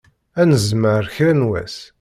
Ad nemẓeṛ kra n wass.